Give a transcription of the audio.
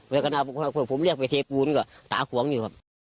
เวลาผมเรียกไปเทพูนก่อนตัวตาห่วงอยู่ครับ